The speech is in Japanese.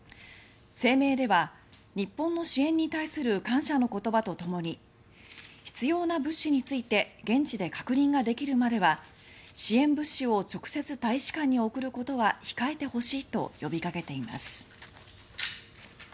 声明では、日本の支援に対する感謝の言葉と共に必要な物資について現地で確認ができるまでは支援物資を直接、大使館に送ることは控えてほしいと呼びかけています。